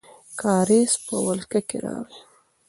کارېز په ولکه کې راغی.